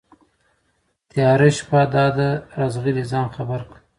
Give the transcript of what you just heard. تياره شپه دا ده راځغلي ځان خبر كه